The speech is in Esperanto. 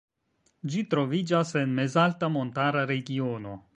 Ĝi troviĝas en mezalta montara regiono.